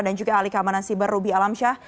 dan juga ahli keamanan siber rubi alamsyah